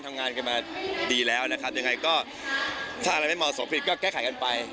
ถ้าอะไรไม่เหมาะสมผิดก็แก้ไขกันไป